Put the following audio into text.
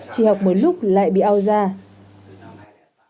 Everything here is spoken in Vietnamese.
chỉ học một lúc là không có thiết bị để học trực tuyến